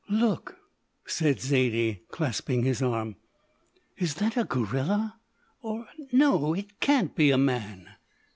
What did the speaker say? "Look!" said Zaidie, clasping his arm, "is that a gorilla, or no, it can't be a man."